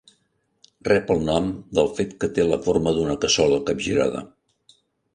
Rep el nom del fet que té la forma d'una cassola capgirada.